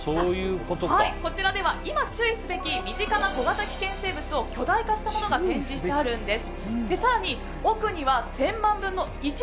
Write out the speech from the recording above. こちらでは今注意すべき身近な小型危険生物を巨大化したものが展示してあるんです。